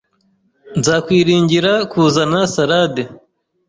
Nzakwiringira kuzana salade.